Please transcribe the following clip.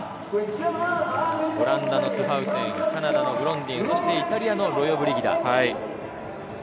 オランダのスハウテン、カナダのブロンディン、イタリアのロヨブリギダ。